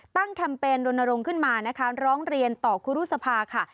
ตั้งแคมเปญลงนรงขึ้นมานะคะร้องเรียนต่อครูรุศภาค่ะ